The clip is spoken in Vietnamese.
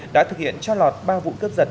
đã thực hiện cho lọt ba vụ cướp giật